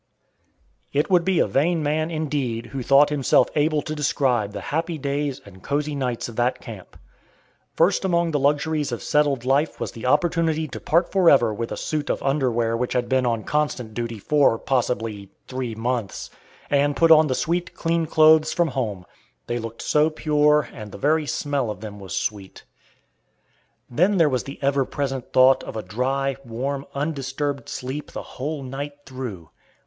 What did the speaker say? It would be a vain man indeed who thought himself able to describe the happy days and cozy nights of that camp. First among the luxuries of settled life was the opportunity to part forever with a suit of underwear which had been on constant duty for, possibly, three months, and put on the sweet clean clothes from home. They looked so pure, and the very smell of them was sweet. Then there was the ever present thought of a dry, warm, undisturbed sleep the whole night through.